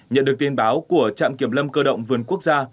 nhận được tin báo của trạm kiểm lâm cơ động vườn quốc gia